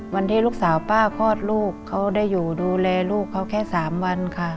วันที่ลูกสาวป้าคลอดลูกเขาได้อยู่ดูแลลูกเขาแค่๓วันค่ะ